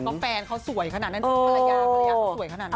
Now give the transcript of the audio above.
ก็แฟนเขาสวยขนาดนั้นภรรยาภรรยาเขาสวยขนาดนั้น